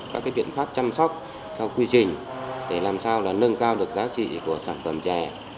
các biện pháp chăm sóc theo quy trình để làm sao là nâng cao được giá trị của sản phẩm chè